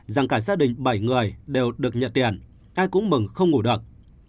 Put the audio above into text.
rằng cả gia đình bảy người đều được nhận tiền ai cũng mừng không ngủ được